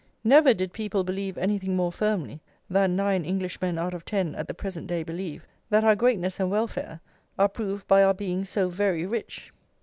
Never did people believe anything more firmly, than nine Englishmen out of ten at the present day believe that our greatness and welfare are proved by our being so very rich.